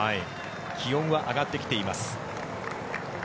気温は上がってきています。